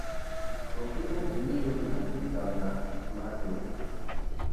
Jokki u hiindi luɗna ki gaŋ ma dew.